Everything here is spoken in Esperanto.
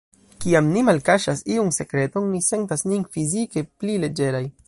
Kiam ni malkaŝas iun sekreton, ni sentas nin fizike pli leĝeraj.